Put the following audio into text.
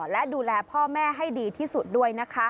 และดูแลพ่อแม่ให้ดีที่สุดด้วยนะคะ